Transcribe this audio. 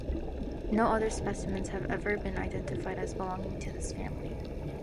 No other specimens have ever been identified as belonging to this family.